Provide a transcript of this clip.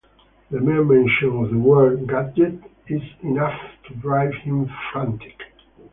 The mere mention of the word "gadget" is enough to drive him frantic.